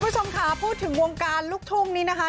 คุณผู้ชมค่ะพูดถึงวงการลูกทุ่งนี้นะคะ